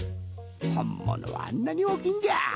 ほんものはあんなにおおきいんじゃ。